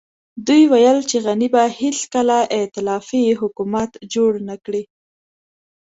دوی ويل چې غني به هېڅکله ائتلافي حکومت جوړ نه کړي.